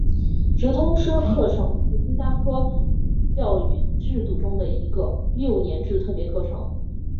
直通车课程是新加坡教育制度中的一个六年制特别课程。